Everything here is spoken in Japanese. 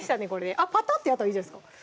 あっぱたってやったらいいじゃないですか